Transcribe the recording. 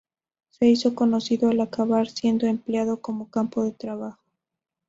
Se hizo conocido al acabar siendo empleado como campo de trabajo.